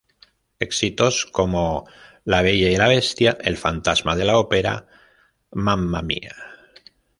Éxitos como "La bella y la bestia", "El fantasma de la ópera", "Mamma Mia!